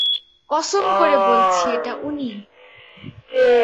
কসম করে বলছি এটা উনি।